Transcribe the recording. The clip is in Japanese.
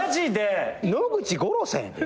野口五郎さんやで？